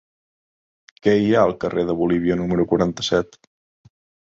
Què hi ha al carrer de Bolívia número quaranta-set?